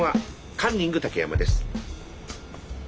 カンニング竹山です。